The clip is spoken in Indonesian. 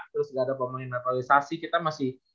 terus gak ada pemain naturalisasi kita masih